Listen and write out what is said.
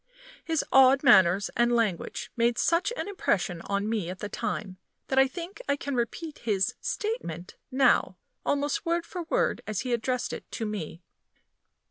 His odd manners and language made such an impression on me at the time, that I think I can repeat his "statement" now, almost word for word as he addressed it to me.